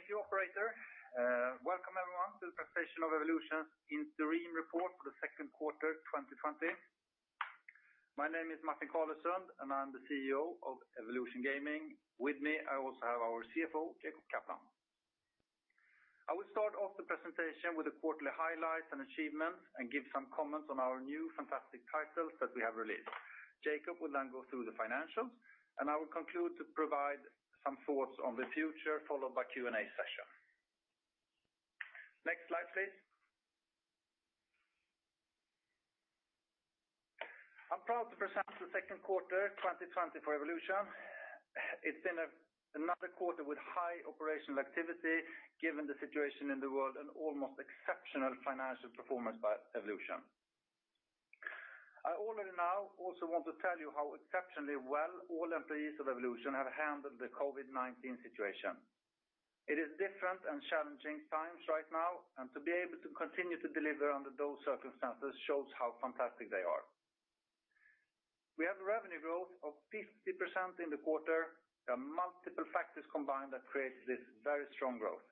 Thank you operator. Welcome everyone to the presentation of Evolution's interim report for the Q2 of 2020. My name is Martin Carlesund, and I'm the CEO of Evolution Gaming. With me, I also have our CFO, Jacob Kaplan. I will start off the presentation with the quarterly highlights and achievements and give some comments on our new fantastic titles that we have released. Jacob will then go through the financials, and I will conclude to provide some thoughts on the future, followed by Q&A session. Next slide, please. I'm proud to present the Q2 2020 for Evolution. It's been another quarter with high operational activity, given the situation in the world, and almost exceptional financial performance by Evolution. I already now also want to tell you how exceptionally well all employees of Evolution have handled the COVID-19 situation. It is different and challenging times right now, and to be able to continue to deliver under those circumstances shows how fantastic they are. We have revenue growth of 50% in the quarter. There are multiple factors combined that create this very strong growth.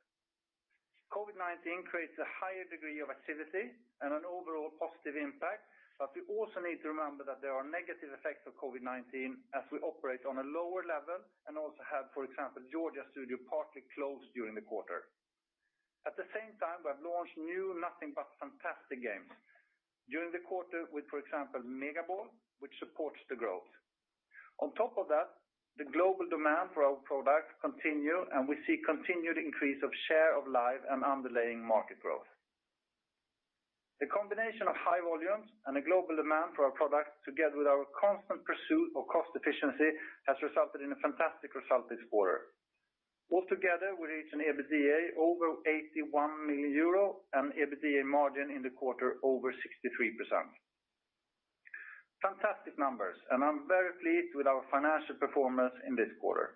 COVID-19 creates a higher degree of activity and an overall positive impact, but we also need to remember that there are negative effects of COVID-19 as we operate on a lower level and also have, for example, Georgia studio partly closed during the quarter. At the same time, we have launched new nothing but fantastic games. During the quarter with, for example, Mega Ball, which supports the growth. On top of that, the global demand for our product continue, and we see continued increase of share of Live and underlying market growth. The combination of high volumes and a global demand for our product, together with our constant pursuit of cost efficiency, has resulted in a fantastic result this quarter. Altogether, we reach an EBITDA over 81 million euro and EBITDA margin in the quarter over 63%. Fantastic numbers, I'm very pleased with our financial performance in this quarter.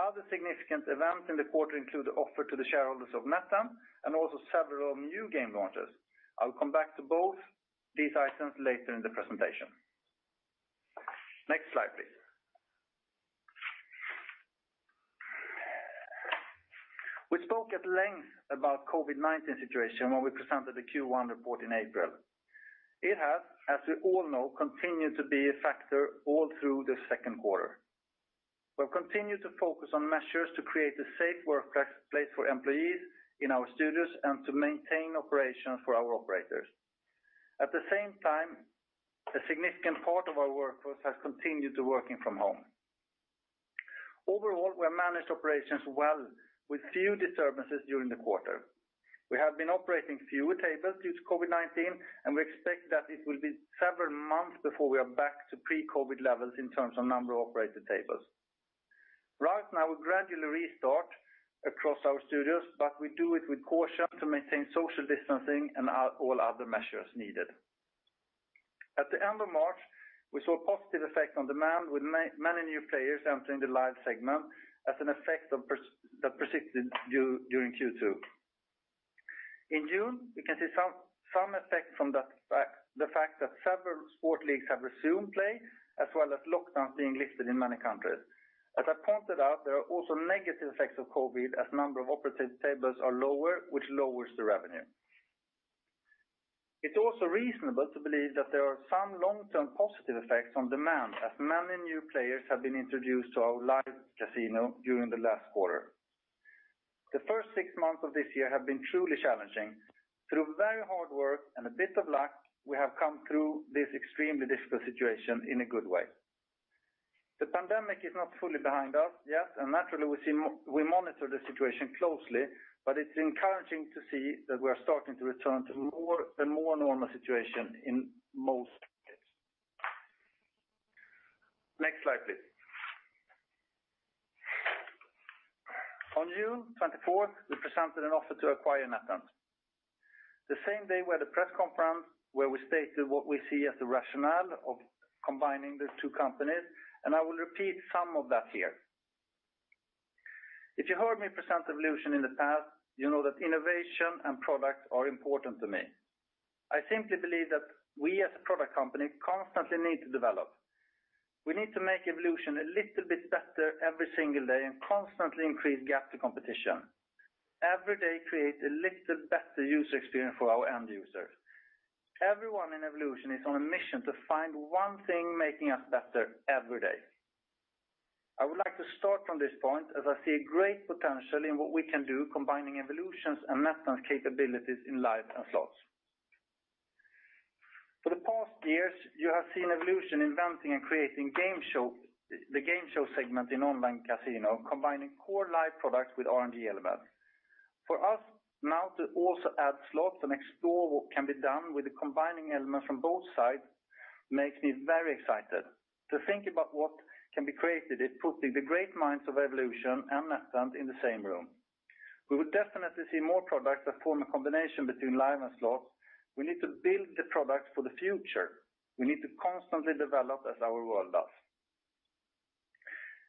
Other significant events in the quarter include the offer to the shareholders of NetEnt and also several new game launches. I'll come back to both these items later in the presentation. Next slide, please. We spoke at length about COVID-19 situation when we presented the Q1 report in April. It has, as we all know, continued to be a factor all through the Q2. We'll continue to focus on measures to create a safe workplace for employees in our studios and to maintain operations for our operators. At the same time, a significant part of our workforce has continued to working from home. Overall, we have managed operations well with few disturbances during the quarter. We have been operating fewer tables due to COVID-19, and we expect that it will be several months before we are back to pre-COVID levels in terms of number of operated tables. Right now, we gradually restart across our studios, but we do it with caution to maintain social distancing and all other measures needed. At the end of March, we saw a positive effect on demand with many new players entering the Live segment as an effect that persisted during Q2. In June, we can see some effect from the fact that several sport leagues have resumed play, as well as lockdowns being lifted in many countries. As I pointed out, there are also negative effects of COVID-19 as number of operated tables are lower, which lowers the revenue. It's also reasonable to believe that there are some long-term positive effects on demand as many new players have been introduced to our Live casino during the last quarter. The first six months of this year have been truly challenging. Through very hard work and a bit of luck, we have come through this extremely difficult situation in a good way. The pandemic is not fully behind us yet, and naturally, we monitor the situation closely, but it's encouraging to see that we are starting to return to a more normal situation in most cases. Next slide, please. On June 24th, we presented an offer to acquire NetEnt. The same day we had a press conference where we stated what we see as the rationale of combining the two companies, and I will repeat some of that here. If you heard me present Evolution in the past, you know that innovation and product are important to me. I simply believe that we, as a product company, constantly need to develop. We need to make Evolution a little bit better every single day and constantly increase gap to competition. Every day create a little better user experience for our end users. Everyone in Evolution is on a mission to find one thing making us better every day. I would like to start from this point as I see a great potential in what we can do combining Evolution's and NetEnt's capabilities in live and slots. For the past years, you have seen Evolution inventing and creating the Game Show segment in online casino, combining core Live products with R&D elements. For us now to also add slots and explore what can be done with the combining elements from both sides makes me very excited. To think about what can be created if putting the great minds of Evolution and NetEnt in the same room. We will definitely see more products that form a combination between Live and slots. We need to build the products for the future. We need to constantly develop as our world does.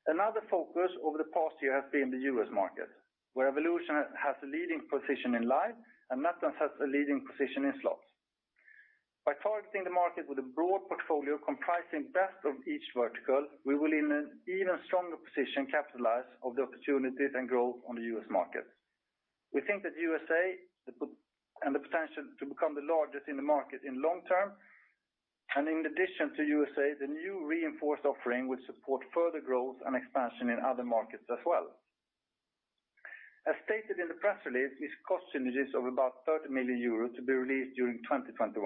Another focus over the past year has been the U.S. market, where Evolution has a leading position in Live and NetEnt has a leading position in slots. By targeting the market with a broad portfolio comprising best of each vertical, we will in an even stronger position capitalize of the opportunities and growth on the U.S. market. We think that USA has the potential to become the largest in the market in long-term. In addition to USA, the new reinforced offering will support further growth and expansion in other markets as well. As stated in the press release, this cost synergies of about 30 million euros to be released during 2021.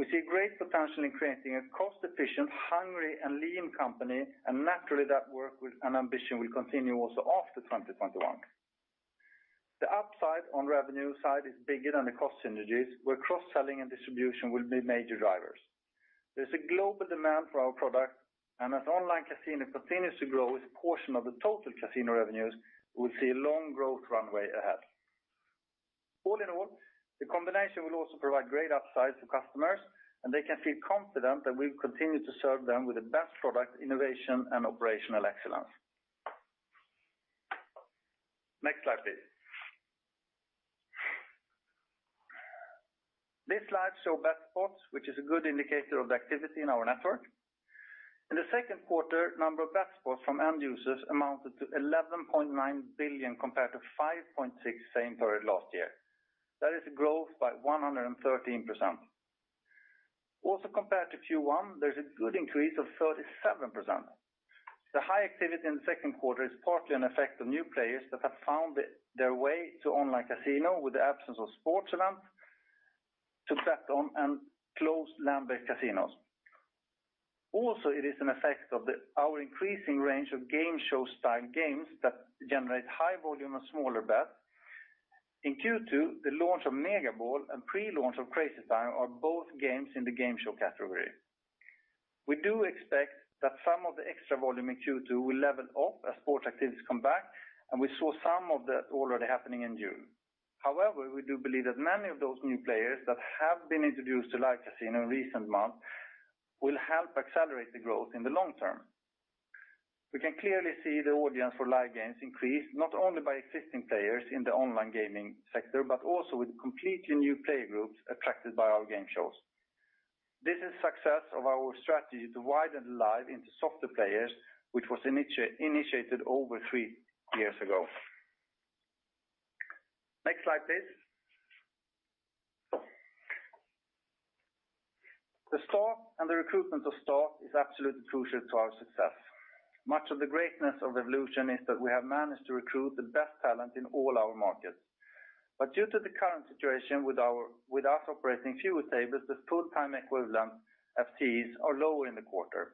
We see great potential in creating a cost-efficient, hungry, and lean company. Naturally, that work with an ambition will continue also after 2021. The upside on revenue side is bigger than the cost synergies, where cross-selling and distribution will be major drivers. There's a global demand for our product. As online casino continues to grow its portion of the total casino revenues, we'll see a long growth runway ahead. All in all, the combination will also provide great upsides to customers. They can feel confident that we'll continue to serve them with the best product, innovation, and operational excellence. Next slide, please. This slide show bet spots, which is a good indicator of the activity in our network. In the Q2, number of bet spots from end users amounted to 11.9 billion compared to 5.6 same period last year. That is a growth by 113%. Compared to Q1, there's a good increase of 37%. The high activity in the Q2 is partly an effect of new players that have found their way to online casino with the absence of sports events to bet on and closed land-based casinos. Also, it is an effect of our increasing range of game show-style games that generate high volume of smaller bets. In Q2, the launch of Mega Ball and pre-launch of Crazy Time are both games in the game show category. We do expect that some of the extra volume in Q2 will level off as sports activities come back, and we saw some of that already happening in June. However, we do believe that many of those new players that have been introduced to live casino in recent months will help accelerate the growth in the long-term. We can clearly see the audience for live games increase, not only by existing players in the online gaming sector, but also with completely new player groups attracted by our game shows. This is success of our strategy to widen live into softer players, which was initiated over three years ago. Next slide, please. The staff and the recruitment of staff is absolutely crucial to our success. Much of the greatness of Evolution is that we have managed to recruit the best talent in all our markets. Due to the current situation with us operating fewer tables, the full-time equivalent, FTEs, are lower in the quarter.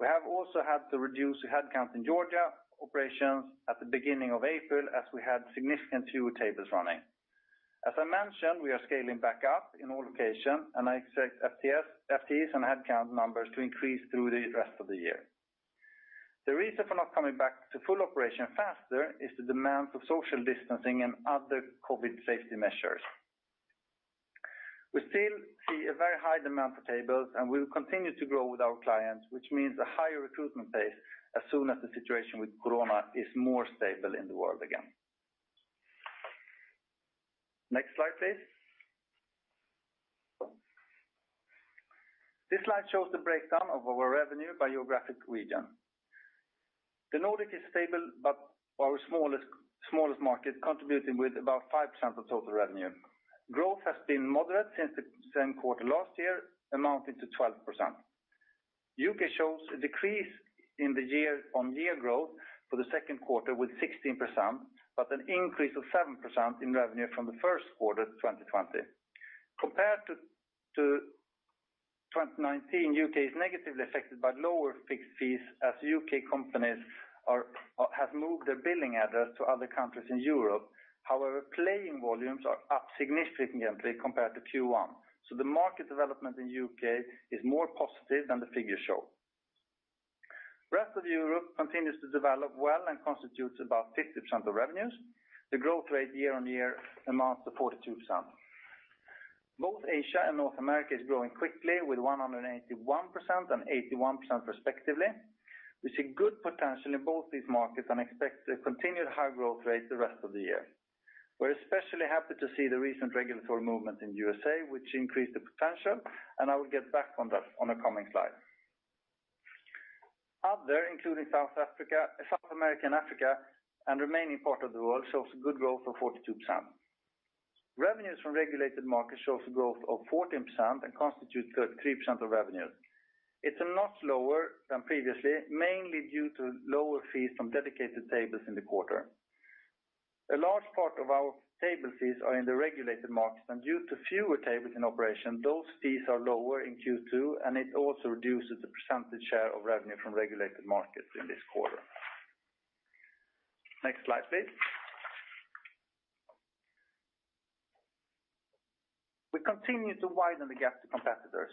We have also had to reduce headcount in Georgia operations at the beginning of April as we had significant fewer tables running. As I mentioned, we are scaling back up in all locations. I expect FTEs and headcount numbers to increase through the rest of the year. The reason for not coming back to full operation faster is the demands of social distancing and other COVID-19 safety measures. We still see a very high demand for tables. We will continue to grow with our clients, which means a higher recruitment pace as soon as the situation with COVID-19 is more stable in the world again. Next slide, please. This slide shows the breakdown of our revenue by geographic region. The Nordic is stable, our smallest market contributing with about 5% of total revenue. Growth has been moderate since the same quarter last year, amounting to 12%. U.K. shows a decrease year-on-year growth for the Q2 with 16%, but an increase of 7% in revenue from the Q1 2020. Compared to 2019, U.K. is negatively affected by lower fixed fees as U.K. companies have moved their billing address to other countries in Europe. However, playing volumes are up significantly compared to Q1. The market development in U.K. is more positive than the figures show. Rest of Europe continues to develop well and constitutes about 50% of revenues. The growth rate year-on-year amounts to 42%. Both Asia and North America is growing quickly with 181% and 81% respectively. We see good potential in both these markets and expect a continued high growth rate the rest of the year. We're especially happy to see the recent regulatory movement in the U.S., which increased the potential. I will get back on that on a coming slide. Other, including South American, Africa, and remaining part of the world, shows a good growth of 42%. Revenues from regulated markets shows a growth of 14% and constitutes 33% of revenue. It's a lot lower than previously, mainly due to lower fees from dedicated tables in the quarter. A large part of our table fees are in the regulated markets. Due to fewer tables in operation, those fees are lower in Q2. It also reduces the percentage share of revenue from regulated markets in this quarter. Next slide, please. We continue to widen the gap to competitors.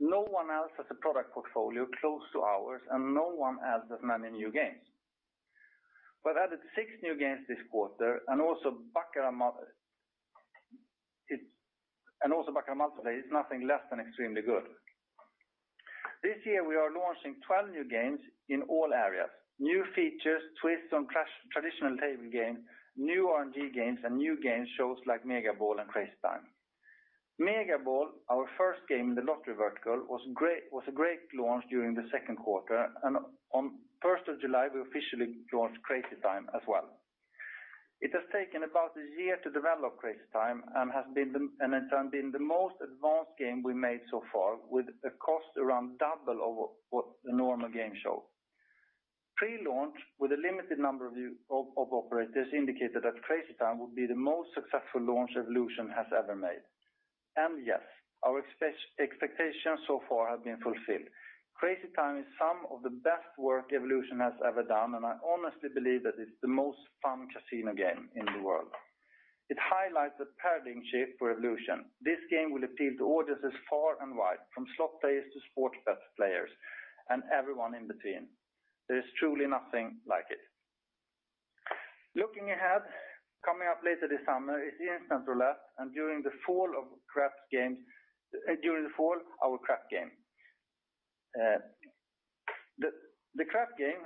No one else has a product portfolio close to ours. No one has as many new games. We've added six new games this quarter, also Baccarat Multiplay is nothing less than extremely good. This year we are launching 12 new games in all areas. New features, twists on traditional table game, new RNG games and new game shows like Mega Ball and Crazy Time. Mega Ball, our first game in the lottery vertical, was a great launch during the Q2, on July 1st, we officially launched Crazy Time as well. It has taken about a year to develop Crazy Time it has been the most advanced game we made so far, with a cost around double over what the normal game show. Pre-launch, with a limited number of operators indicated that Crazy Time would be the most successful launch Evolution has ever made. Yes, our expectations so far have been fulfilled. Crazy Time is some of the best work Evolution has ever done. I honestly believe that it's the most fun casino game in the world. It highlights the paradigm shift for Evolution. This game will appeal to audiences far and wide, from slot players to sports bet players and everyone in between. There is truly nothing like it. Looking ahead, coming up later this summer is the Instant Roulette. During the fall, our craps game. The craps game,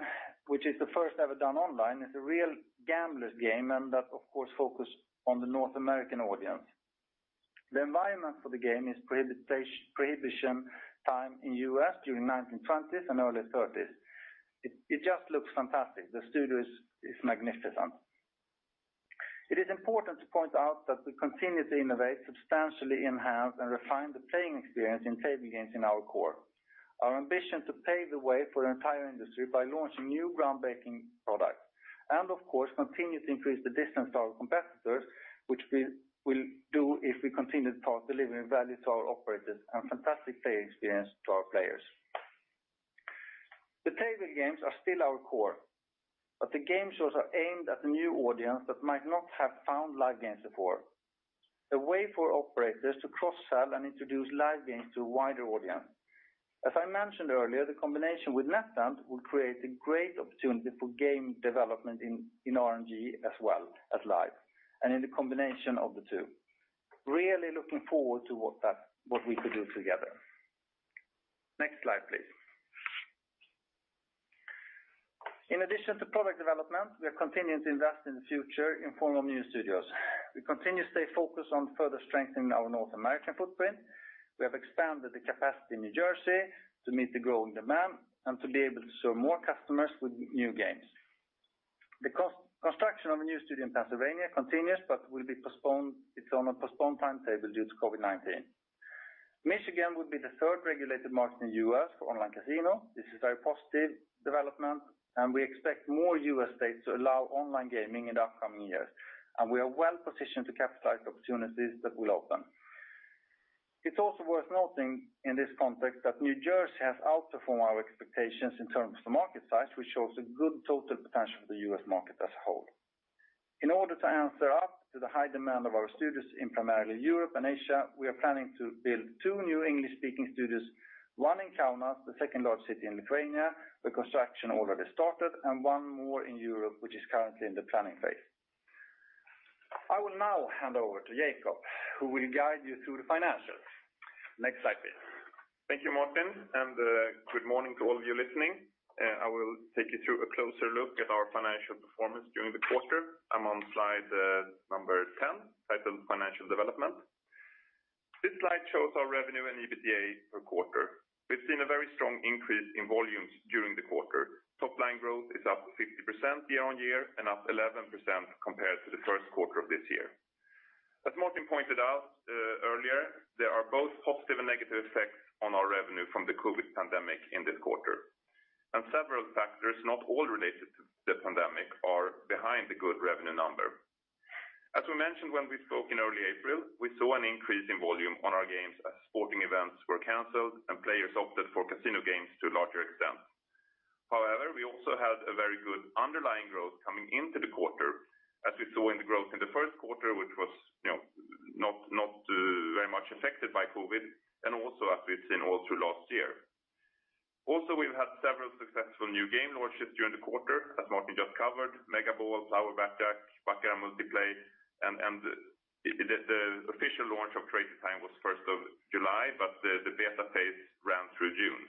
which is the first ever done online, is a real gamblers game. That of course focus on the North American audience. The environment for the game is prohibition time in U.S. during 1920s and early 1930s. It just looks fantastic. The studio is magnificent. It is important to point out that we continue to innovate, substantially enhance, and refine the playing experience in table games in our core. Our ambition to pave the way for an entire industry by launching new groundbreaking products and of course continue to increase the distance to our competitors, which we will do if we continue to deliver value to our operators and fantastic play experience to our players. The table games are still our core, but the game shows are aimed at the new audience that might not have found live games before. A way for operators to cross-sell and introduce live games to a wider audience. As I mentioned earlier, the combination with NetEnt will create a great opportunity for game development in RNG as well as live and in the combination of the two. Really looking forward to what we could do together. Next slide, please. In addition to product development, we are continuing to invest in the future in form of new studios. We continue to stay focused on further strengthening our North American footprint. We have expanded the capacity in New Jersey to meet the growing demand and to be able to serve more customers with new games. The construction of a new studio in Pennsylvania continues, but it's on a postponed timetable due to COVID-19. Michigan will be the third regulated market in the U.S. for online casino. This is a very positive development. We expect more U.S. states to allow online gaming in the upcoming years. We are well-positioned to capitalize opportunities that will open. It's also worth noting in this context that New Jersey has outperformed our expectations in terms of market size, which shows a good total potential for the U.S. market as a whole. In order to answer up to the high demand of our studios in primarily Europe and Asia, we are planning to build two new English-speaking studios, one in Kaunas, the second-largest city in Lithuania. The construction already started, one more in Europe, which is currently in the planning phase. I will now hand over to Jacob, who will guide you through the financials. Next slide, please. Thank you, Martin. Good morning to all of you listening. I will take you through a closer look at our financial performance during the quarter. I'm on slide number 10, titled Financial Development. This slide shows our revenue and EBITDA per quarter. We've seen a very strong increase in volumes during the quarter. Top line growth is up 50% year-on-year and up 11% compared to the Q1 of this year. As Martin pointed out earlier, there are both positive and negative effects on our revenue from the COVID-19 pandemic in this quarter. Several factors, not all related to the pandemic, are behind the good revenue number. As we mentioned when we spoke in early April, we saw an increase in volume on our games as sporting events were canceled and players opted for casino games to a larger extent. We also had a very good underlying growth coming into the quarter as we saw in the growth in the Q1, which was not very much affected by COVID-19 and also as we've seen all through last year. We've had several successful new game launches during the quarter, as Martin just covered, Mega Ball, Power Blackjack, Baccarat Multiplay, and the official launch of Crazy Time was July 1st, but the beta phase ran through June.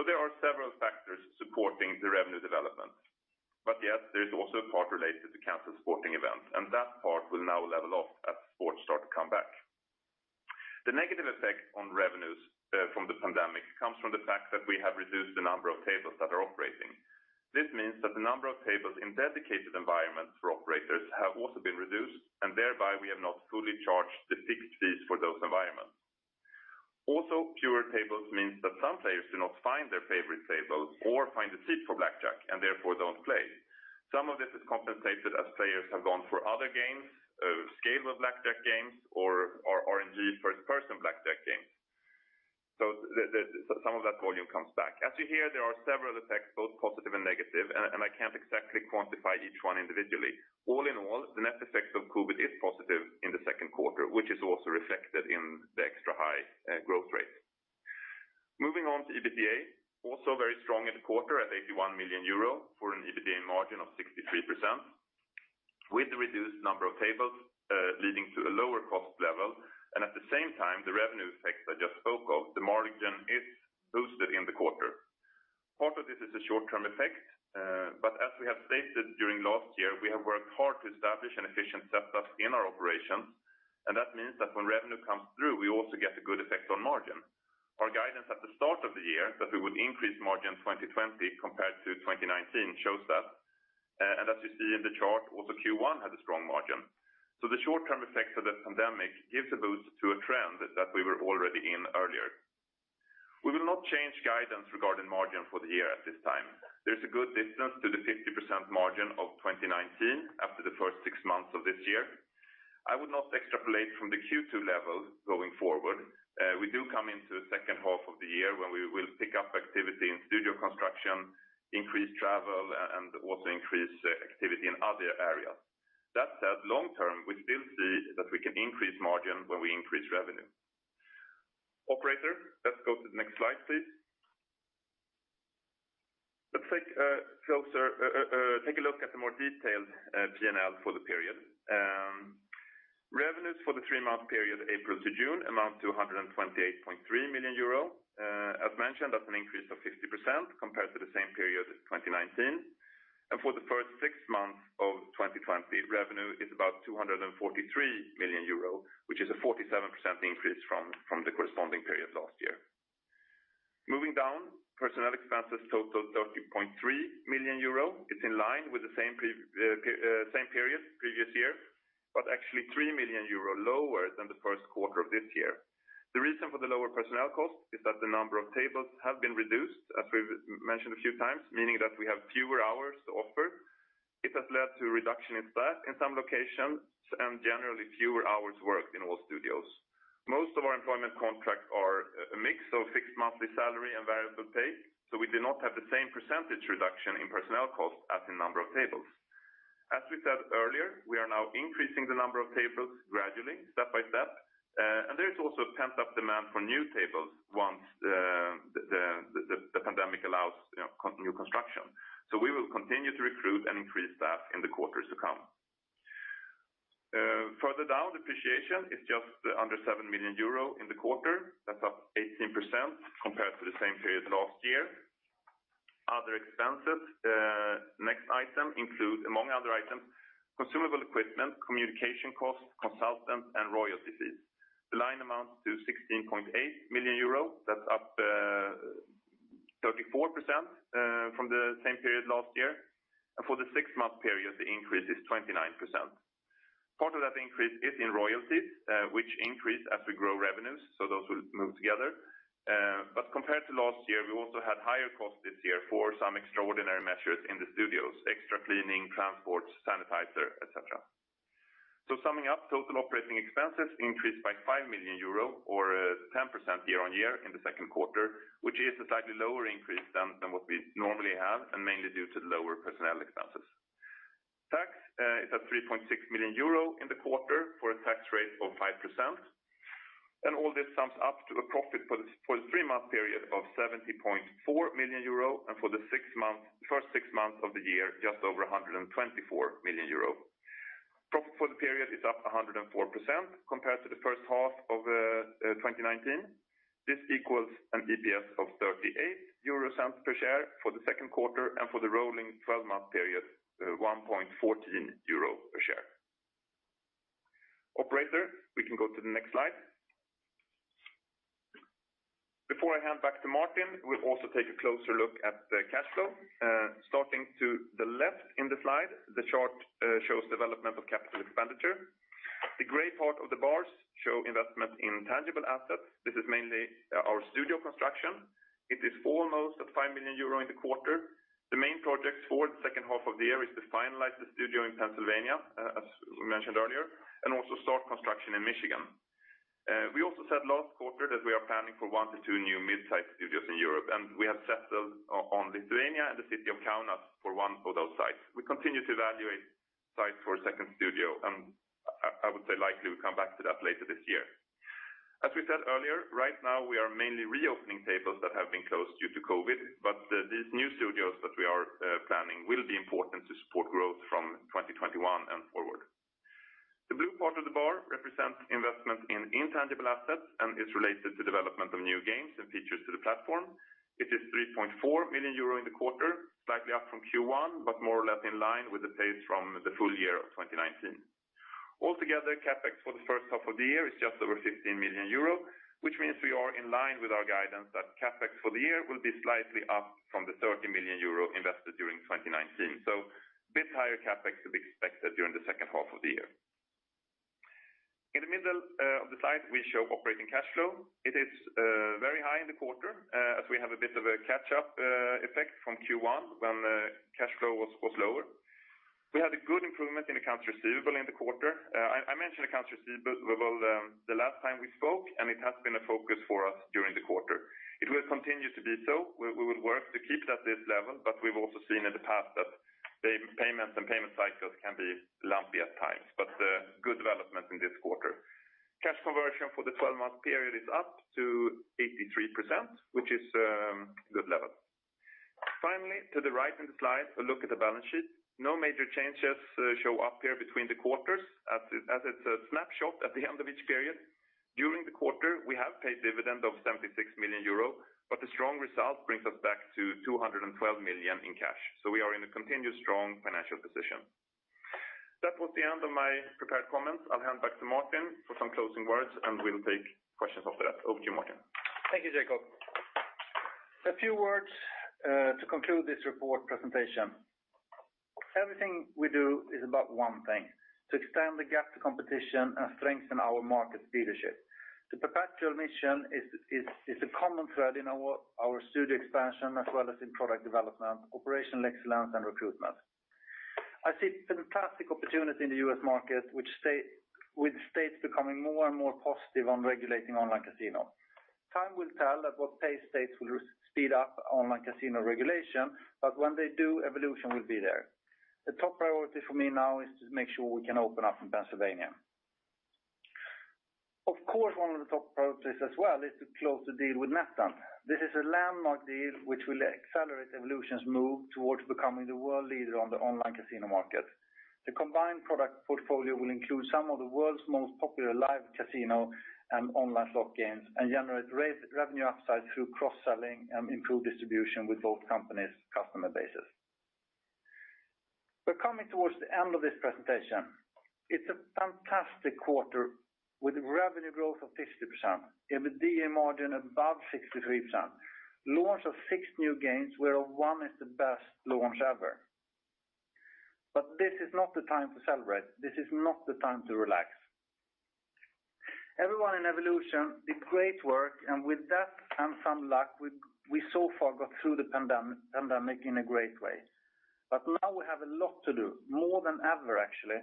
There are several factors supporting the revenue development. Yes, there's also a part related to canceled sporting events, and that part will now level off as sports start to come back. The negative effect on revenues from the pandemic comes from the fact that we have reduced the number of tables that are operating. This means that the number of tables in dedicated environments for operators have also been reduced, thereby we have not fully charged the fixed fees for those environments. Fewer tables means that some players do not find their favorite table or find a seat for blackjack and therefore don't play. Some of this is compensated as players have gone for other games, Scaled Blackjack Games or RNG First Person Blackjack games. Some of that volume comes back. As you hear, there are several effects, both positive and negative, I can't exactly quantify each one individually. All in all, the net effect of COVID is positive in the Q2, which is also reflected in the extra high growth rate. Moving on to EBITDA, also very strong in the quarter at 81 million euro for an EBITDA margin of 63%. With the reduced number of tables leading to a lower cost level, and at the same time, the revenue effects I just spoke of, the margin is boosted in the quarter. Part of this is a short-term effect, but as we have stated during last year, we have worked hard to establish an efficient setup in our operations. That means that when revenue comes through, we also get a good effect on margin. Our guidance at the start of the year, that we would increase margin 2020 compared to 2019 shows that. As you see in the chart, also Q1 had a strong margin. The short-term effect of the pandemic gives a boost to a trend that we were already in earlier. We will not change guidance regarding margin for the year at this time. There's a good distance to the 50% margin of 2019 after the first six months of this year. I would not extrapolate from the Q2 level going forward. We do come into the H2 of the year when we will pick up activity in studio construction, increase travel, and also increase activity in other areas. That said, long-term, we still see that we can increase margin when we increase revenue. Operator, let's go to the next slide, please. Let's take a look at the more detailed P&L for the period. Revenues for the three-month period, April to June, amount to 128.3 million euro. As mentioned, that's an increase of 50% compared to the same period as 2019. For the first six months of 2020, revenue is about 243 million euro, which is a 47% increase from the corresponding period last year. Moving down, personnel expenses total 30.3 million euro. It's in line with the same period previous year, but actually 3 million euro lower than the Q1 of this year. The reason for the lower personnel cost is that the number of tables have been reduced, as we've mentioned a few times, meaning that we have fewer hours to offer. It has led to a reduction in staff in some locations and generally fewer hours worked in all studios. Most of our employment contracts are a mix of fixed monthly salary and variable pay, so we do not have the same percentage reduction in personnel costs as the number of tables. As we said earlier, we are now increasing the number of tables gradually, step-by-step. There is also a pent-up demand for new tables once the pandemic allows new construction. We will continue to recruit and increase staff in the quarters to come. Further down, depreciation is just under 7 million euro in the quarter. That's up 18% compared to the same period last year. Other expenses, next item include, among other items, consumable equipment, communication costs, consultants, and royalties. The line amounts to 16.8 million euros. That's up 34% from the same period last year. For the six-month period, the increase is 29%. Part of that increase is in royalties which increase as we grow revenues, so those will move together. Compared to last year, we also had higher costs this year for some extraordinary measures in the studios, extra cleaning, transport, sanitizer, et cetera. Summing up, total operating expenses increased by 5 million euro or 10% year-on-year in the Q2, which is a slightly lower increase than what we normally have, and mainly due to the lower personnel expenses. Tax is at 3.6 million euro in the quarter for a tax rate of 5%. All this sums up to a profit for the three-month period of 70.4 million euro, and for the first six months of the year, just over 124 million euro. Profit for the period is up 104% compared to the H1 of 2019. This equals an EPS of 0.38 per share for the Q2, and for the rolling 12-month period, 1.14 euro per share. Operator, we can go to the next slide. Before I hand back to Martin, we will also take a closer look at the cash flow. Starting to the left in the slide, the chart shows development of CapEx. The gray part of the bars show investment in tangible assets. This is mainly our studio construction. It is almost at 5 million euro in the quarter. The main projects for the H2 of the year is to finalize the studio in Pennsylvania, as we mentioned earlier, and also start construction in Michigan. We also said last quarter that we are planning for one to two new mid-size studios in Europe, and we have settled on Lithuania and the city of Kaunas for one of those sites. We continue to evaluate sites for a second studio, and I would say likely we will come back to that later this year. As we said earlier, right now we are mainly reopening tables that have been closed due to COVID-19, but these new studios that we are planning will be important to support growth from 2021 and forward. The blue part of the bar represents investment in intangible assets and is related to development of new games and features to the platform. It is 3.4 million euro in the quarter, slightly up from Q1, but more or less in line with the pace from the full-year of 2019. Altogether, CapEx for the H1 of the year is just over 15 million euro, which means we are in line with our guidance that CapEx for the year will be slightly up from the 30 million euro invested during 2019. A bit higher CapEx to be expected during the H2 of the year. In the middle of the slide, we show operating cash flow. It is very high in the quarter as we have a bit of a catch-up effect from Q1 when cash flow was lower. We had a good improvement in accounts receivable in the quarter. I mentioned accounts receivable the last time we spoke, and it has been a focus for us during the quarter. It will continue to be so. We will work to keep it at this level, but we've also seen in the past that payments and payment cycles can be lumpy at times. Good development in this quarter. Cash conversion for the 12-month period is up to 83%, which is a good level. Finally, to the right in the slide, a look at the balance sheet. No major changes show up here between the quarters as it's a snapshot at the end of each period. During the quarter, we have paid dividend of 76 million euro. The strong result brings us back to 212 million in cash. We are in a continuous strong financial position. That was the end of my prepared comments. I'll hand back to Martin for some closing words. We'll take questions after that. Over to you, Martin. Thank you, Jacob. A few words to conclude this report presentation. Everything we do is about one thing, to extend the gap to competition and strengthen our market leadership. The perpetual mission is a common thread in our studio expansion as well as in product development, operational excellence, and recruitment. I see fantastic opportunity in the U.S. market with states becoming more and more positive on regulating online casino. Time will tell at what pace states will speed up online casino regulation, but when they do, Evolution will be there. The top priority for me now is to make sure we can open up in Pennsylvania. Of course, one of the top priorities as well is to close the deal with NetEnt. This is a landmark deal which will accelerate Evolution's move towards becoming the world leader on the online casino market. The combined product portfolio will include some of the world's most popular live casino and online slot games, and generate revenue upside through cross-selling and improved distribution with both companies' customer bases. We're coming towards the end of this presentation. It's a fantastic quarter with revenue growth of 50%, EBITDA margin above 63%, launch of six new games, where one is the best launch ever. This is not the time to celebrate. This is not the time to relax. Everyone in Evolution did great work, and with that and some luck, we so far got through the pandemic in a great way. Now we have a lot to do, more than ever, actually.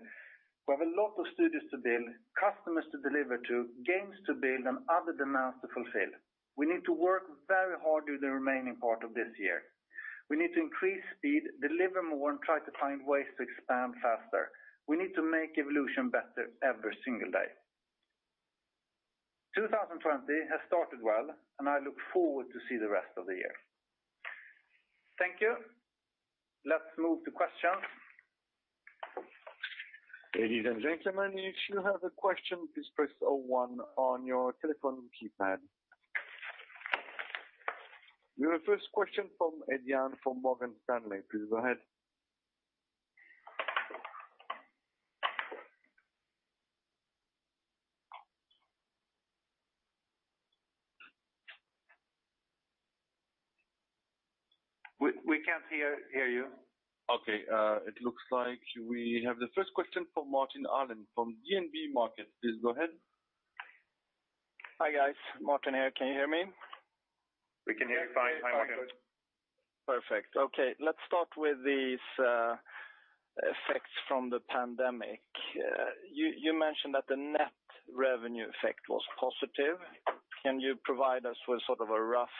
We have a lot of studios to build, customers to deliver to, games to build, and other demands to fulfill. We need to work very hard through the remaining part of this year. We need to increase speed, deliver more, and try to find ways to expand faster. We need to make Evolution better every single day. 2020 has started well, and I look forward to see the rest of the year. Thank you. Let's move to questions. Ladies and gentlemen, if you have a question, please press zero one on your telephone keypad. We have first question from Ed Young from Morgan Stanley. Please go ahead. We can't hear you. Okay. It looks like we have the first question from Martin Arnell from DNB Markets. Please go ahead. Hi, guys. Martin here. Can you hear me? We can hear you fine, Martin. Perfect. Okay, let's start with these effects from the COVID-19 pandemic. You mentioned that the net revenue effect was positive. Can you provide us with sort of a rough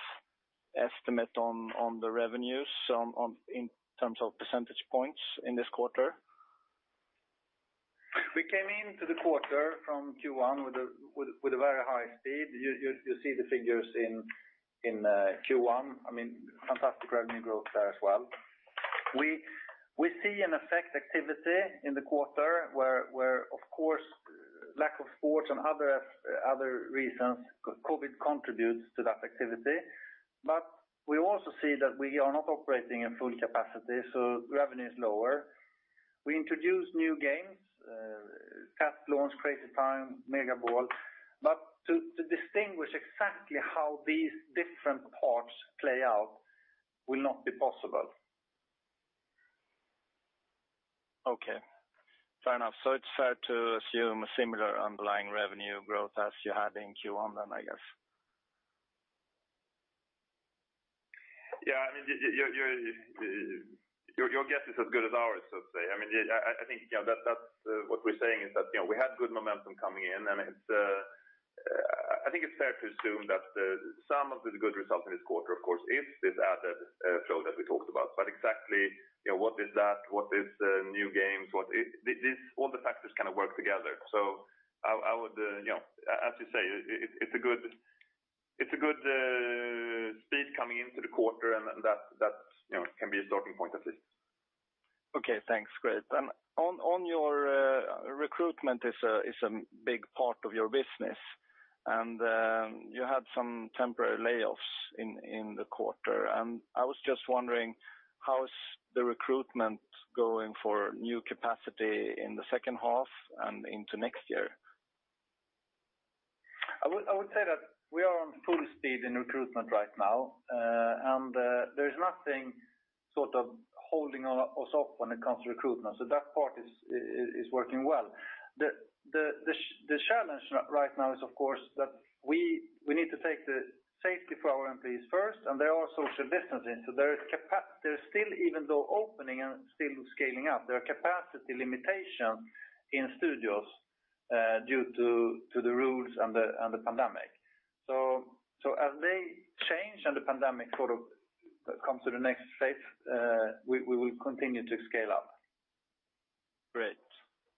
estimate on the revenues in terms of percentage points in this quarter? We came into the quarter from Q1 with a very high speed. You see the figures in Q1. Fantastic revenue growth there as well. We see an effect activity in the quarter where, of course, lack of sports and other reasons, COVID contributes to that activity. We also see that we are not operating in full capacity, so revenue is lower. We introduced new games, that launched, Crazy Time, Mega Ball. To distinguish exactly how these different parts play out will not be possible. Okay. Fair enough. It's fair to assume a similar underlying revenue growth as you had in Q1 then, I guess? Yeah. Your guess is as good as ours, so to say. What we're saying is that we had good momentum coming in, and I think it's fair to assume that some of the good results in this quarter, of course, is this added flow that we talked about. Exactly, what is that? What is new games? All the factors kind of work together. As you say, it's a good speed coming into the quarter, and that can be a starting point at least. Okay, thanks. Great. On your recruitment is a big part of your business, and you had some temporary layoffs in the quarter. I was just wondering, how is the recruitment going for new capacity in the H2 and into next year? I would say that we are on full speed in recruitment right now. There is nothing sort of holding us up when it comes to recruitment. That part is working well. The challenge right now is, of course, that we need to take the safety for our employees first, and they are social distancing. Even though opening and still scaling up, there are capacity limitations in studios due to the rules and the pandemic. As they change and the pandemic sort of comes to the next phase, we will continue to scale up. Great.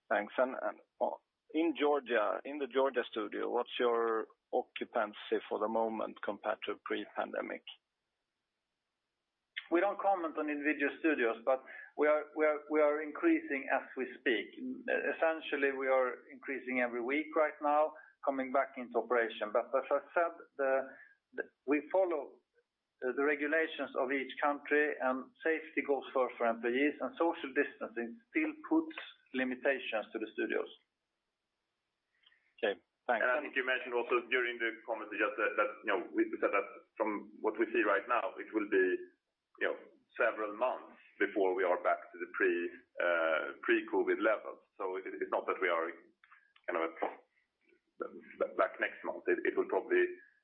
Thanks. In the Georgia studio, what's your occupancy for the moment compared to pre-pandemic? We don't comment on individual studios, but we are increasing as we speak. Essentially, we are increasing every week right now, coming back into operation. As I said, we follow the regulations of each country, and safety goes first for employees, and social distancing still puts limitations to the studios. Okay, thanks. I think you mentioned also during the commentary just that, we said that from what we see right now, it will be several months before we are back to the pre-COVID levels. It's not that we are at back next month. It will probably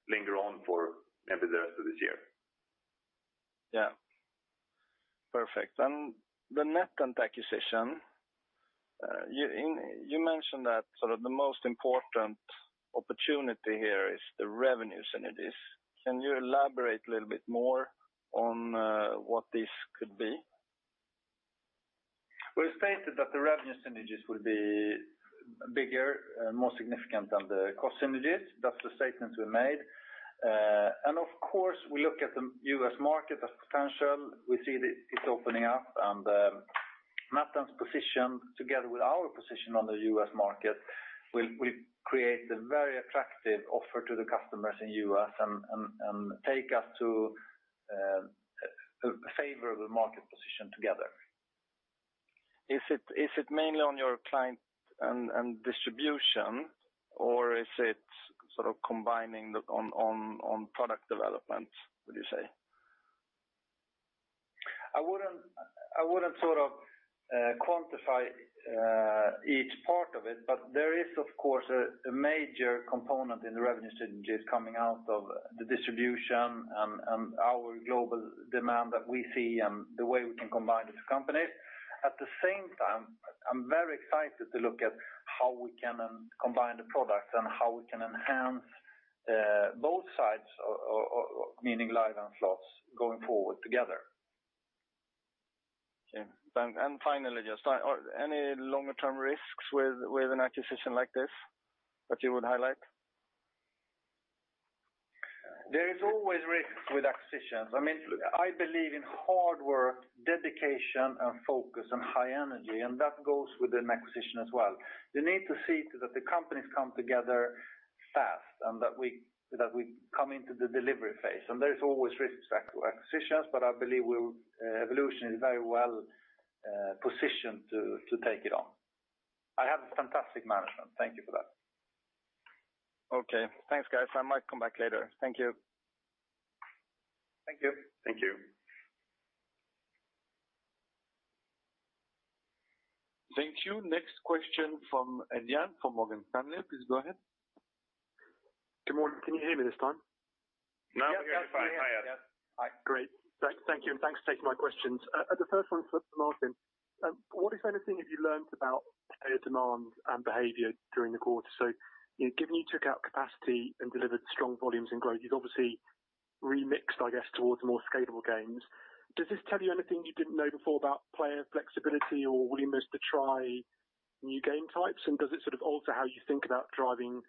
linger on for maybe the rest of this year. Yeah. Perfect. The NetEnt acquisition, you mentioned that the most important opportunity here is the revenue synergies. Can you elaborate a little bit more on what this could be? We stated that the revenue synergies will be bigger and more significant than the cost synergies. Of course, we look at the U.S. market as potential. We see that it's opening up and NetEnt's position together with our position on the U.S. market will create a very attractive offer to the customers in the U.S. and take us to a favorable market position together. Is it mainly on your client and distribution, or is it combining on product development, would you say? I wouldn't quantify each part of it, but there is, of course, a major component in the revenue synergies coming out of the distribution and our global demand that we see and the way we can combine the two companies. At the same time, I'm very excited to look at how we can combine the products and how we can enhance both sides, meaning live and slots, going forward together. Okay. Finally, are any longer-term risks with an acquisition like this that you would highlight? There is always risks with acquisitions. I believe in hard work, dedication, and focus and high energy, and that goes with an acquisition as well. You need to see that the companies come together fast and that we come into the delivery phase. There is always risks to acquisitions, but I believe Evolution is very well-positioned to take it on. I have a fantastic management. Thank you for that. Okay. Thanks, guys. I might come back later. Thank you. Thank you. Thank you. Thank you. Next question from Ed Young from Morgan Stanley. Please go ahead. Good morning. Can you hear me this time? Now we can. Yes. Great. Thank you. Thanks for taking my questions. The first one is for Martin. What, if anything, have you learned about player demand and behavior during the quarter? Given you took out capacity and delivered strong volumes and growth, you've obviously remixed, I guess, towards more scalable games. Does this tell you anything you didn't know before about player flexibility or willingness to try new game types? Does it sort of alter how you think about driving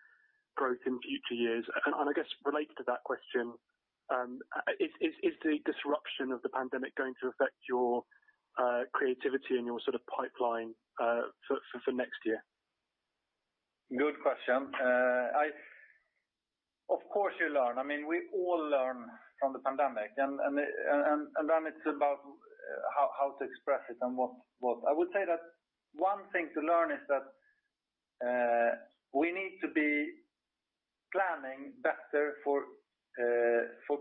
growth in future years? I guess related to that question, is the disruption of the pandemic going to affect your creativity and your pipeline for next year? Good question. Of course, you learn. We all learn from the pandemic. It's about how to express it and what. I would say that one thing to learn is that we need to be planning better for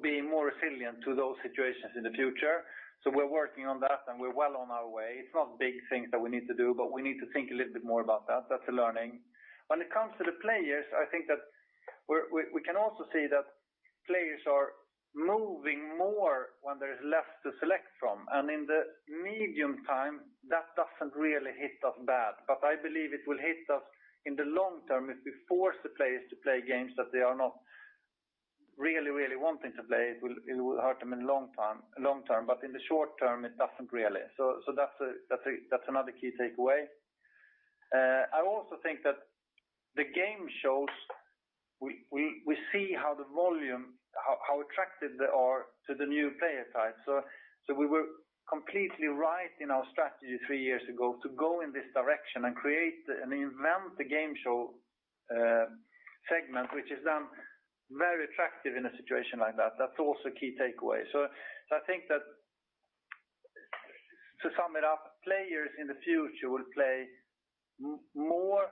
being more resilient to those situations in the future. We're working on that, and we're well on our way. It's not big things that we need to do, but we need to think a little bit more about that. That's a learning. When it comes to the players, I think that we can also see that players are moving more when there is less to select from. In the medium term, that doesn't really hit us bad. I believe it will hit us in the long term if we force the players to play games that they are not really wanting to play. It will hurt them in long term, but in the short term, it doesn't really. That's another key takeaway. I also think that the game shows we see how the volume, how attractive they are to the new player types. We were completely right in our strategy three years ago to go in this direction and create and invent the game show segment, which is now very attractive in a situation like that. That's also a key takeaway. I think that to sum it up, players in the future will play more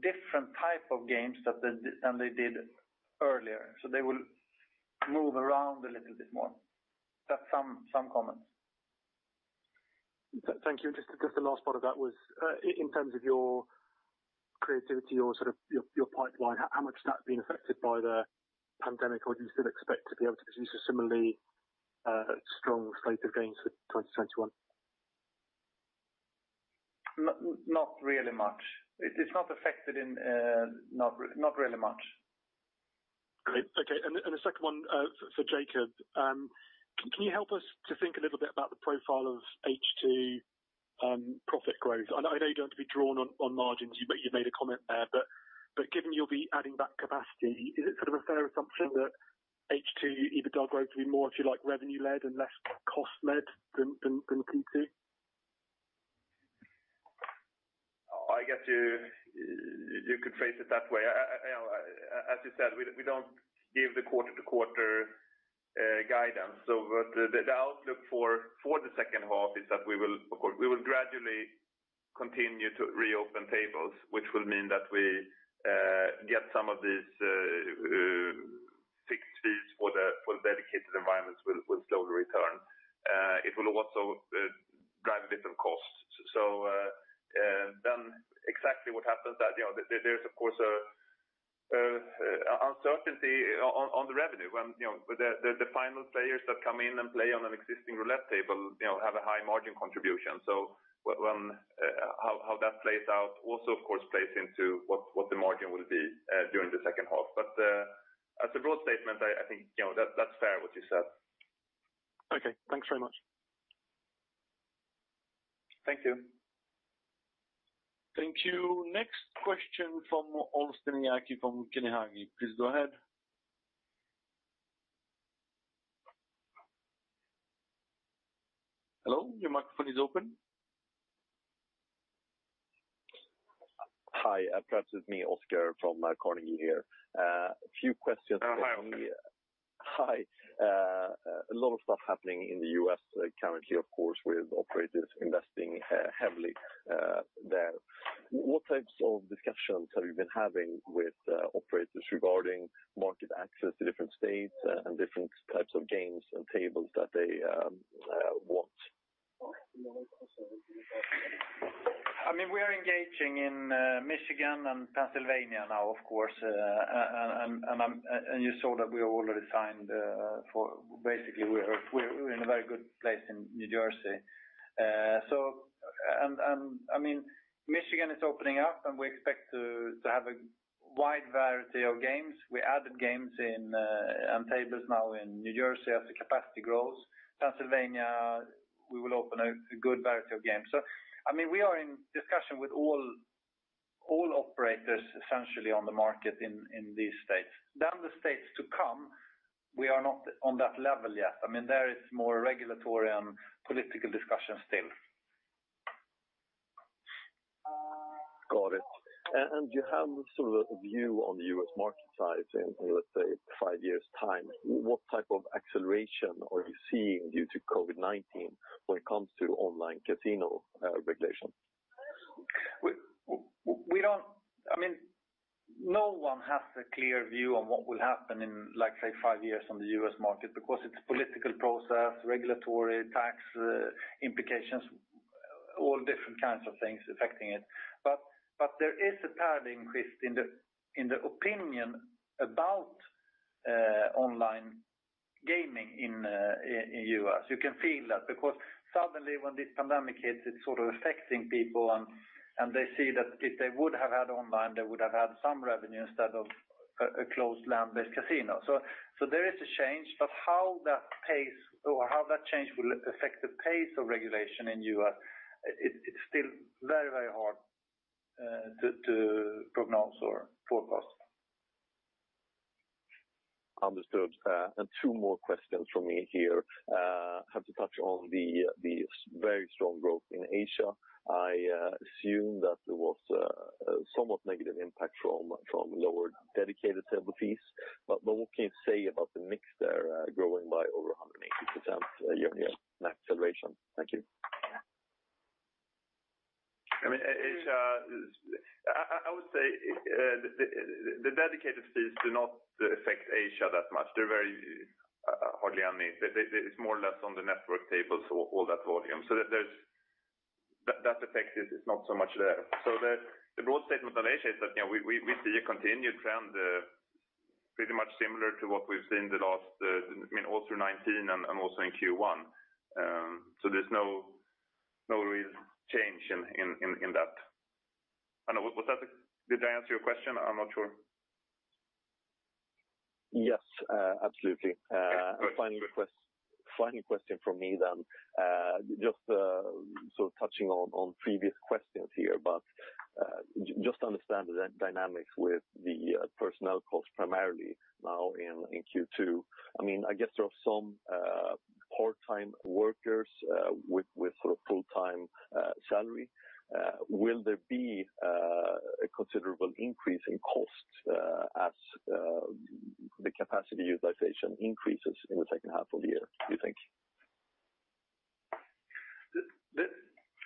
different type of games than they did earlier. They will move around a little bit more. That's some comments. Thank you. Just the last part of that was in terms of your creativity or your pipeline, how much has that been affected by the pandemic? Do you still expect to be able to produce a similarly strong slate of games for 2021? Not really much. It's not affected. Not really much. Great. Okay. The second one for Jacob. Can you help us to think a little bit about the profile of H2 profit growth? I know you don't have to be drawn on margins, but you made a comment there. Given you'll be adding back capacity, is it a fair assumption that H2 EBITDA growth will be more, if you like, revenue-led and less cost-led than Q2? I guess you could phrase it that way. As you said, we don't give the quarter-over-quarter guidance. The outlook for the H2 is that we will gradually continue to reopen tables, which will mean that we get some of these fixed fees for the dedicated environments will slowly return. It will also drive different costs. Exactly what happens there's of course an uncertainty on the revenue when the final players that come in and play on an existing roulette table have a high margin contribution. How that plays out also, of course, plays into what the margin will be during the H2. As a broad statement, I think that's fair what you said. Okay, thanks very much. Thank you. Thank you. Next question from Oscar Rönnkvist from Carnegie. Please go ahead. Hello, your microphone is open. Hi. Perhaps it's me, Oscar from Carnegie here. A few questions for me. Oh, hi Oscar. Hi. A lot of stuff happening in the U.S. currently, of course, with operators investing heavily there. What types of discussions have you been having with operators regarding market access to different states and different types of games and tables that they want? We are engaging in Michigan and Pennsylvania now, of course. Basically, we're in a very good place in New Jersey. Michigan is opening up. We expect to have a wide variety of games. We added games and tables now in New Jersey as the capacity grows. Pennsylvania, we will open a good variety of games. We are in discussion with all operators essentially on the market in these states. The states to come, we are not on that level yet. There is more regulatory and political discussion still. Got it. Do you have sort of a view on the U.S. market size in, let's say, five years time? What type of acceleration are you seeing due to COVID-19 when it comes to online casino regulation? No one has a clear view on what will happen in, say, five years on the U.S. market because it's a political process, regulatory, tax implications, all different kinds of things affecting it. There is a paradigm shift in the opinion about online gaming in U.S. You can feel that because suddenly when this pandemic hits, it's sort of affecting people, and they see that if they would have had online, they would have had some revenue instead of a closed land-based casino. There is a change, but how that change will affect the pace of regulation in U.S., it's still very hard to prognose or forecast. Understood. Two more questions from me here. Have to touch on the very strong growth in Asia. I assume that there was a somewhat negative impact from lower dedicated table fees. What can you say about the mix there growing by over 180% year-on-year in that acceleration? Thank you. I would say the dedicated fees do not affect Asia that much. They're very hardly any. It's more or less on the network tables, all that volume. That effect is not so much there. The broad statement on Asia is that we see a continued trend pretty much similar to what we've seen all through 2019 and also in Q1. There's no real change in that. Did I answer your question? I'm not sure. Yes, absolutely. Okay. Final question from me. Touching on previous questions here, to understand the dynamics with the personnel costs primarily now in Q2. There are some part-time workers with full-time salary. Will there be a considerable increase in costs as the capacity utilization increases in the H2 of the year, do you think?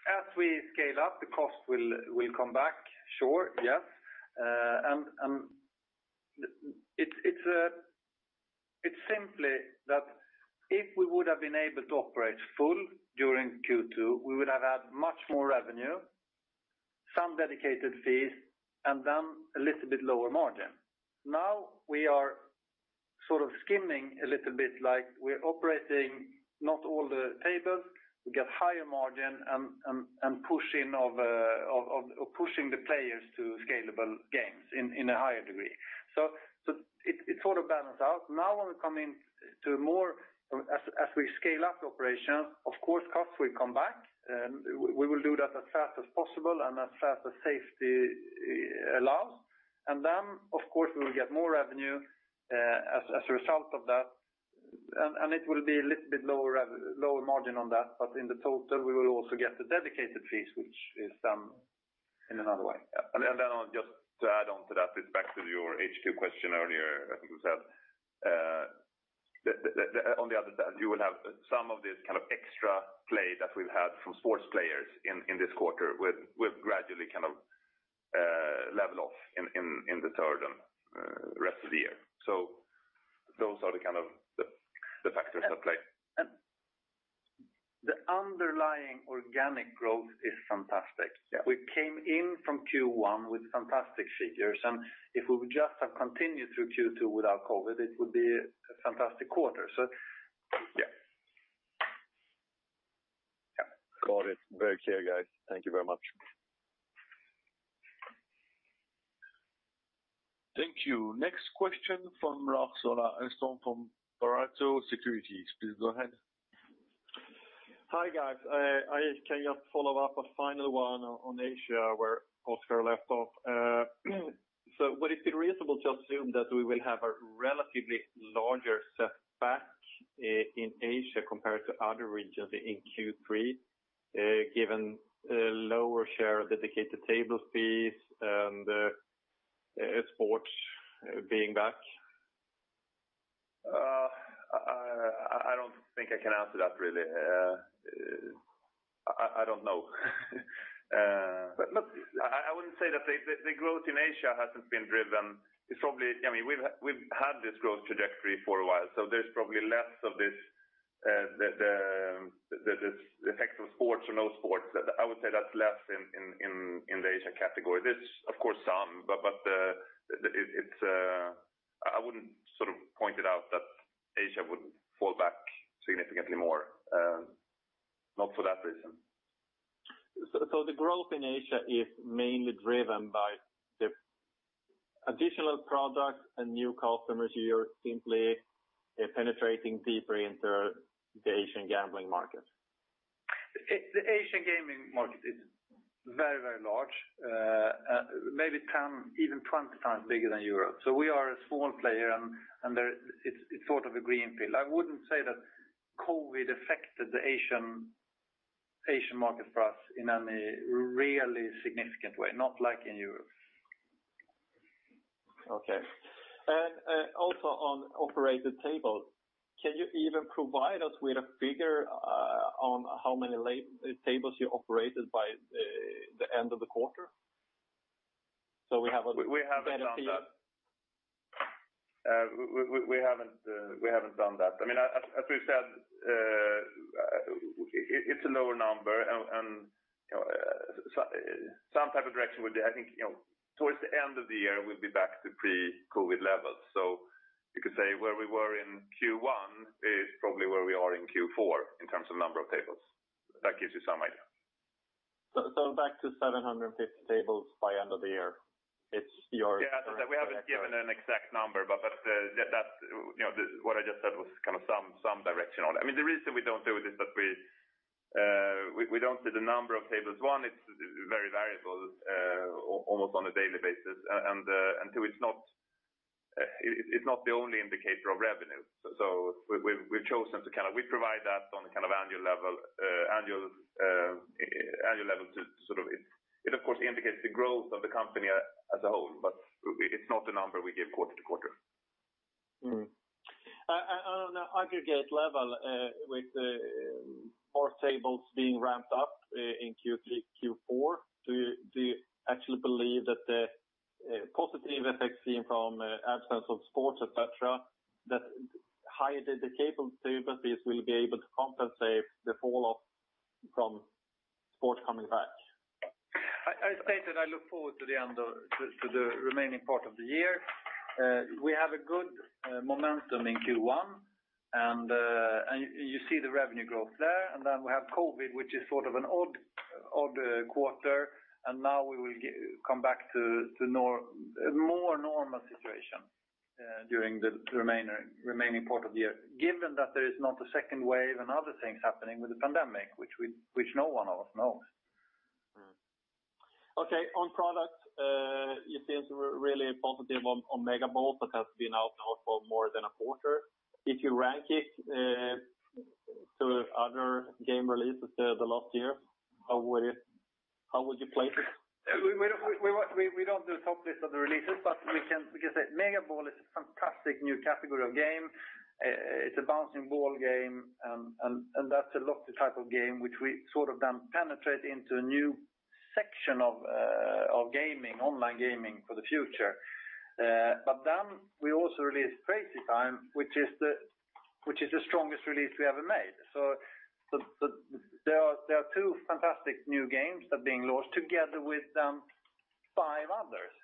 As we scale up, the cost will come back. Sure. Yes. It's simply that if we would have been able to operate full during Q2, we would have had much more revenue, some dedicated fees, and then a little bit lower margin. Now we are Sort of skimming a little bit like we're operating not all the tables. We get higher margin and pushing the players to scalable games in a higher degree. It sort of balance out. Now when we come in to more, as we scale up operations, of course, costs will come back and we will do that as fast as possible and as fast as safety allows. Of course we will get more revenue as a result of that, and it will be a little bit lower margin on that. In the total, we will also get the dedicated fees, which is then in another way. Yeah. Just to add on to that, it's back to your HQ question earlier, I think you said. On the other hand, you will have some of this kind of extra play that we've had from sports players in this quarter will gradually kind of level off in the third and rest of the year. Those are the kind of the factors at play. The underlying organic growth is fantastic. Yeah. We came in from Q1 with fantastic figures, and if we would just have continued through Q2 without COVID-19, it would be a fantastic quarter. Yeah. Yeah. Got it. Very clear, guys. Thank you very much. Thank you. Next question from Lars-Ola Eriksson from Pareto Securities. Please go ahead. Hi, guys. I just follow-up a final one on Asia where Oscar left off. Would it be reasonable to assume that we will have a relatively larger setback in Asia compared to other regions in Q3, given lower share of dedicated table fees and sports being back? I don't think I can answer that really. I don't know. Look, I wouldn't say that the growth in Asia hasn't been driven. We've had this growth trajectory for a while. There's probably less of this, the effect of sports or no sports. I would say that's less in the Asia category. There's of course some, but I wouldn't sort of point it out that Asia would fall back significantly more, not for that reason. The growth in Asia is mainly driven by the additional product and new customers you're simply penetrating deeper into the Asian gambling market. The Asian gaming market is very large. Maybe 10, even 20x bigger than Europe. We are a small player and it's sort of a greenfield. I wouldn't say that COVID affected the Asian market for us in any really significant way, not like in Europe. Okay. Also on operated table, can you either provide us with a figure on how many tables you operated by the end of the quarter? We haven't done that. As we've said, it's a lower number and some type of direction would be, I think, towards the end of the year, we'll be back to pre-COVID-19 levels. You could say where we were in Q1 is probably where we are in Q4 in terms of number of tables. That gives you some idea. Back to 750 tables by end of the year. We haven't given an exact number, but what I just said was kind of some direction on it. The reason we don't do it is that we don't see the number of tables. One, it's very variable, almost on a daily basis. Two, it's not the only indicator of revenue. We've chosen to kind of, we provide that on kind of annual level to sort of, it of course indicates the growth of the company as a whole, but it's not the number we give quarter-to-quarter. On an aggregate level, with more tables being ramped up in Q3, Q4, do you actually believe that the positive effects seen from absence of sports, et cetera, that higher dedicated table fees will be able to compensate the fall off from sports coming back? I stated I look forward to the remaining part of the year. We have a good momentum in Q1, and you see the revenue growth there, and then we have COVID, which is sort of an odd quarter, and now we will come back to more normal situation during the remaining part of the year. Given that there is not a second wave and other things happening with the pandemic, which no one of us knows. Okay. On product, you seem really positive on Mega Ball that has been out now for more than a quarter. If you rank it to other game releases the last year, how would you place it? We don't do top lists of the releases, but we can say Mega Ball is a fantastic new category of game. It's a bouncing ball game, and that's a lottery type of game, which we sort of then penetrate into a new section of online gaming for the future. We also released Crazy Time, which is the strongest release we ever made. There are two fantastic new games that are being launched together with five others,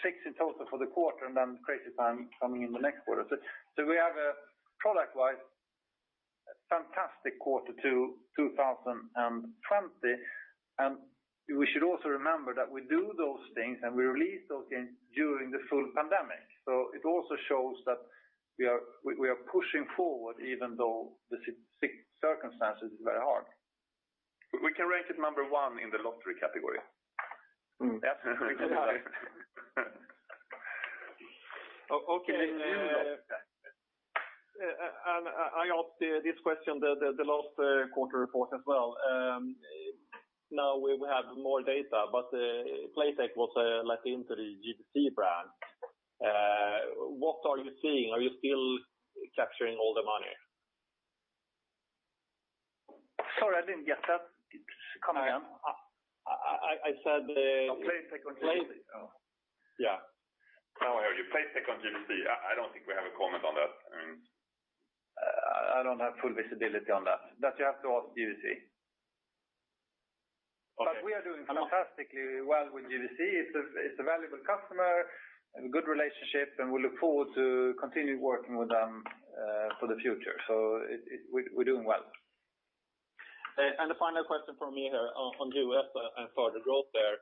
six in total for the quarter, and then Crazy Time coming in the next quarter. We have a product-wise, fantastic quarter to 2020. We should also remember that we do those things, and we release those things during the full pandemic. It also shows that we are pushing forward, even though the circumstances are very hard. We can rank it number one in the lottery category. Absolutely. Okay. I asked this question the last quarter report as well. Now we have more data, but Playtech was let into the GVC brand. What are you seeing? Are you still capturing all the money? Sorry, I didn't get that. Come again. I said- Playtech on GVC. Yeah. Oh, yeah. Playtech on GVC. I don't think we have a comment on that. I don't have full visibility on that. That you have to ask GVC. Okay. We are doing fantastically well with GVC. It's a valuable customer and a good relationship, and we look forward to continue working with them for the future. We're doing well. The final question from me here on U.S. and further growth there.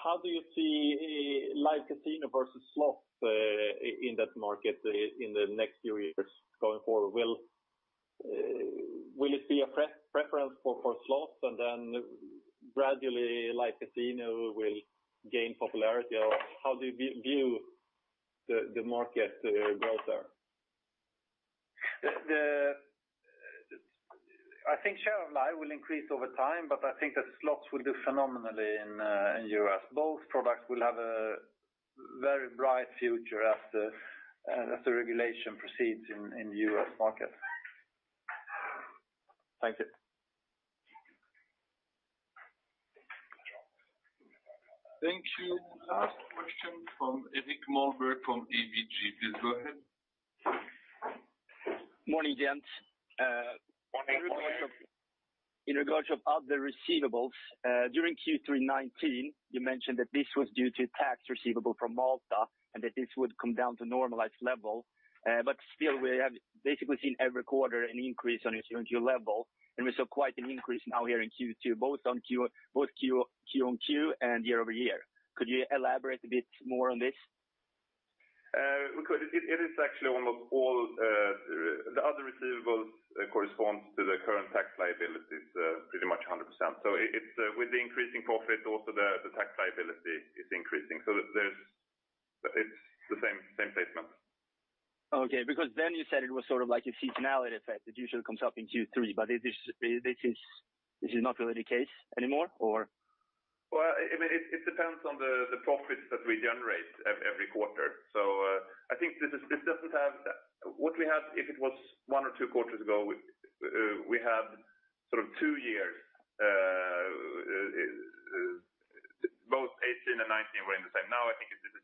How do you see Live Casino versus slots in that market in the next few years going forward? Will it be a preference for slots and then gradually Live Casino will gain popularity? How do you view the market growth there? I think share of live will increase over time, but I think that slots will do phenomenally in U.S. Both products will have a very bright future as the regulation proceeds in U.S. market. Thank you. Thank you. Last question from Erik Malmberg from ABG. Please go ahead. Morning, gents. Morning. Morning. In regards of other receivables, during Q3 2019, you mentioned that this was due to tax receivable from Malta and that this would come down to normalized level. Still, we have basically seen every quarter an increase on a year-on-year level, and we saw quite an increase now here in Q2, both Q-o-Q and year-over-year. Could you elaborate a bit more on this? We could. It is actually almost all the other receivables correspond to the current tax liabilities, pretty much 100%. With the increasing profit, also the tax liability is increasing. It's the same placement. You said it was sort of like a seasonality effect. It usually comes up in Q3, but this is not really the case anymore or? Well, it depends on the profit that we generate every quarter. I think if it was one or two quarters ago, we have sort of two years, both 2018 and 2019 were in the same. I think it just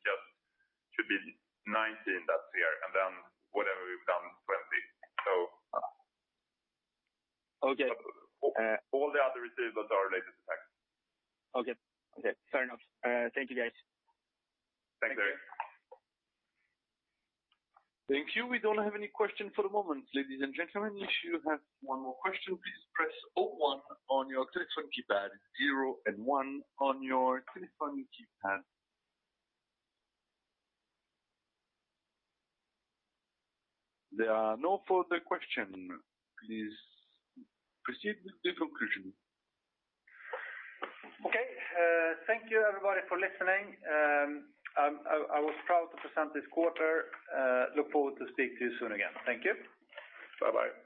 should be 2019 that's here, and then whatever we've done 2020. Okay. All the other receivables are related to tax. Okay. Fair enough. Thank you, guys. Thanks, Erik. Thank you. We don't have any question for the moment, ladies and gentlemen. If you have one more question, please press zero one on your telephone keypad, zero and one on your telephone keypad. There are no further questions. Please proceed with the conclusion. Okay. Thank you everybody for listening. I was proud to present this quarter. I look forward to speak to you soon again. Thank you. Bye-bye.